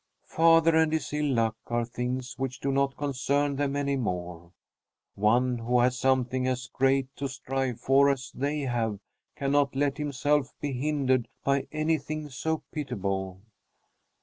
Father and his ill luck are things which do not concern them any more. One who has something as great to strive for as they have cannot let himself be hindered by anything so pitiable!